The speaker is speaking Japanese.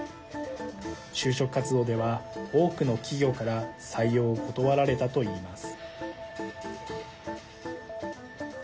就職活動では、多くの企業から採用を断られたといいます。